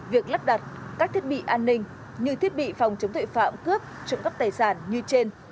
việc lắp đặt các thiết bị an ninh như thiết bị phòng chống tội phạm cướp trộm cắp tài sản như trên